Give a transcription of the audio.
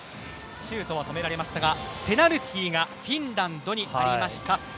シュート止められましたがペナルティーがフィンランドにありました。